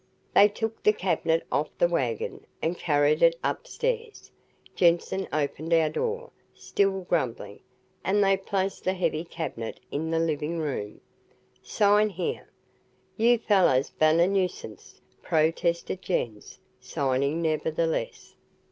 They took the cabinet off the wagon and carried it upstairs. Jensen opened our door, still grumbling, and they placed the heavy cabinet in the living room. "Sign here." "You fallers bane a nuisance," protested Jens, signing nevertheless.